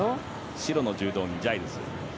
白の柔道着、ジャイルズ。